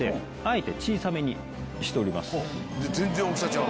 全然大きさ違う。